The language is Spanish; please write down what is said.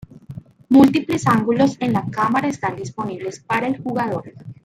Múltiples ángulos en la cámara están disponibles para el jugador.